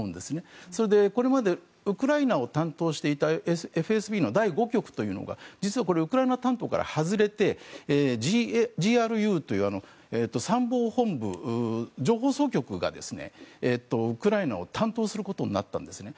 それでこれまでウクライナを担当していたＦＳＢの第５局というのは実はウクライナ担当から外れてＧＲＵという参謀本部、情報総局がウクライナを担当することになったんですね。